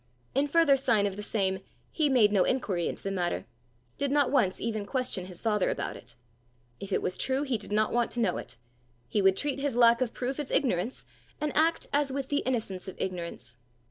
In further sign of the same, he made no inquiry into the matter did not once even question his father about it. If it was true, he did not want to know it: he would treat his lack of proof as ignorance, and act as with the innocence of ignorance!